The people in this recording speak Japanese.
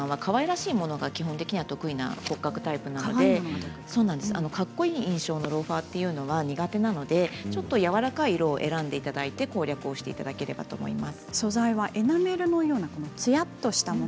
かわいらしいのが基本的に得意な骨格タイプなのでかっこいい印象のローファーは苦手なのでちょっとやわらかい色を選んでいただいて、攻略していただければと思います。